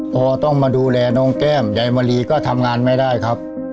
พอต้องมาดูแลน้องแก้มยายมะลีก็ทำงานไม่ได้ครับ